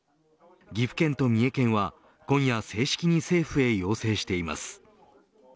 岐阜県と三重県は今夜、正式に政府へ要請しています。